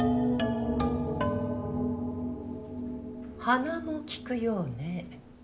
鼻も利くようね。